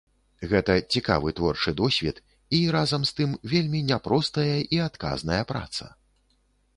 Гэта цікавы творчы досвед і, разам з тым, вельмі няпростая і адказная праца.